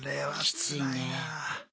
きついね。